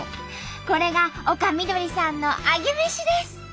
これが丘みどりさんのアゲメシです。